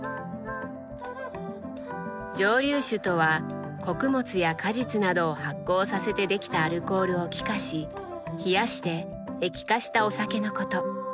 蒸留酒とは穀物や果実などを発酵させてできたアルコールを気化し冷やして液化したお酒のこと。